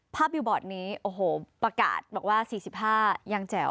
บิวบอร์ดนี้โอ้โหประกาศบอกว่า๔๕ยังแจ๋ว